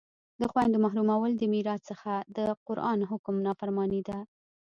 د خویندو محرومول د میراث څخه د قرآن د حکم نافرماني ده